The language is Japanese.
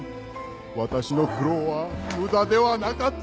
私の苦労は無駄ではなかった！